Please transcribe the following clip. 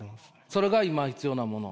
それが今必要なもの？